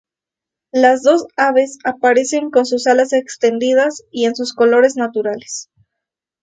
Las dos aves aparecen con sus alas extendidas y en sus colores naturales.